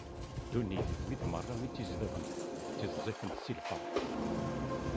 Ddunit d wid merra i tt-izedɣen, ttiẓẓifen si lferḥ.